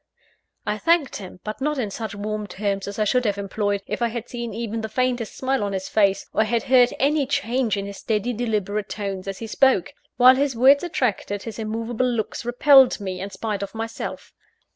I thanked him but not in such warm terms as I should have employed, if I had seen even the faintest smile on his face, or had heard any change in his steady, deliberate tones, as he spoke. While his words attracted, his immovable looks repelled me, in spite of myself.